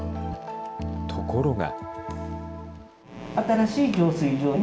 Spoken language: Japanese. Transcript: ところが。